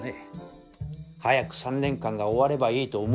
早く３年間が終わればいいと思うことですよ。